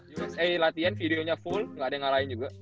yosei latihan videonya full gak ada yang ngalahin juga